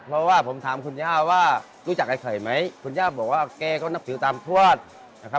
เพราะว่าผมถามคุณย่าว่ารู้จักไอ้ไข่ไหมคุณย่าบอกว่าแกก็นับถือตามทวดนะครับ